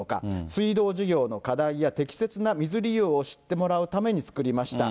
水道事業の課題や適切な水利用を知ってもらうために作りました。